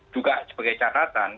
juga sebagai catatan